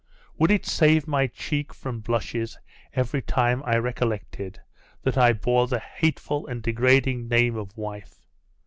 Would it save my cheek from blushes every time I recollected that I bore the hateful and degrading name of wife?